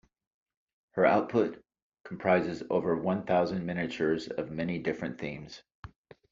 Her output comprises over one thousand miniatures of many different themes.